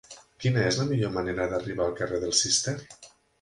Quina és la millor manera d'arribar al carrer del Cister?